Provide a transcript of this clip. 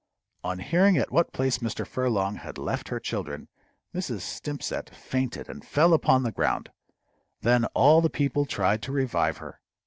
_" On hearing at what place Mr. Furlong had left her children, Mrs. Stimpcett fainted and fell upon the ground. Then all the people tried to revive her.